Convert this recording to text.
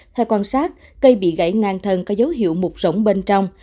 theo quan sát cây bị gãy ngang thân có dấu hiệu mục rỗng bên trong